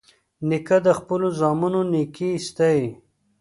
نیکه د خپلو زامنو نیکي ستايي.